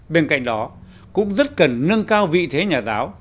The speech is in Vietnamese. bên cạnh đó cũng rất cần nâng cao vị thế nhà giáo